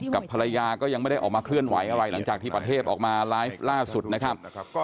กับภรรยาก็ยังไม่ได้ออกมาเคลื่อนไหวอะไรหลังจากที่ประเทศออกมาไลฟ์ล่าสุดนะครับ